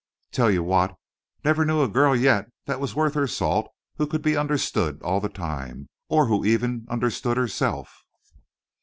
"Tell you what. Never knew a girl yet that was worth her salt who could be understood all the time, or who even understood herself."